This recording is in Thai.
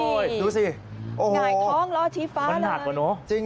โอ้โหดูสิไหงท้องรอชีฟ้าเลยมันหนักกว่านู้น